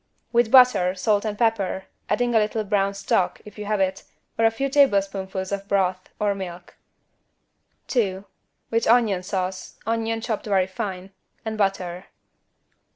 With butter, salt and pepper, adding a little brown stock, if you have it, or a few tablespoonfuls of broth, or milk. 2. With onion sauce (onion chopped very fine) and butter.